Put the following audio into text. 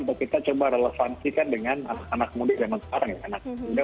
atau kita coba relaksikan dengan anak muda dan anak sekarang ya